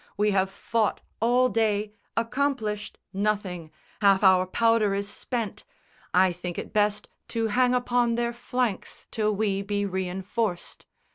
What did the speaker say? We have fought all day, Accomplished nothing. Half our powder is spent! I think it best to hang upon their flanks Till we be reinforced."